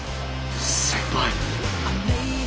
先輩。